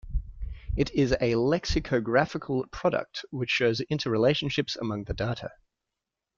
It is a lexicographical product which shows inter-relationships among the data.